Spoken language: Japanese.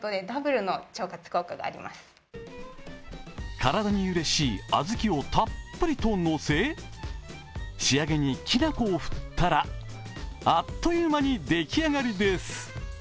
体にうれしいあずきをたっぷりと乗せ仕上げにきな粉を振ったら、あっという間に出来上がりです。